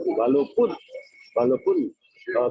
walaupun kita ada pabrik yang mau